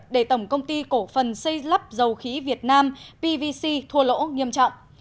để tổng công ty cổ phần xây lắp dầu khí việt nam pvc thua lỗ nghiêm trọng